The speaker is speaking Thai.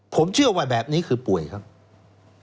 ผมเชื่อว่าแบบนี้คือป่วยครับ